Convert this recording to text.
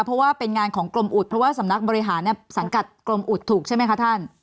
เพราะว่าเป็นงานของกรมอุดเพราะว่าสำนักบริหารสังกัดกรมอุดถูกใช่ไหมคะท่าน